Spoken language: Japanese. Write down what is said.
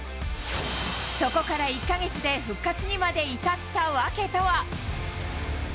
そこから１か月で復活にまで至った訳とは。